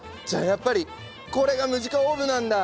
やっぱりこれがムジカオーブなんだ！